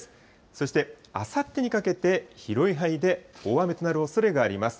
そして、あさってにかけて、広い範囲で大雨となるおそれがあります。